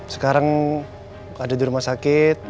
sekarang ada di rumah sakit